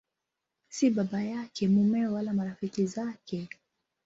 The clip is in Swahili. Si baba yake, mumewe wala marafiki zake.